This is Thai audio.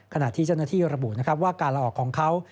ขณะที่เจ้าหน้าที่ระบุนะครับว่าการละออกของเขา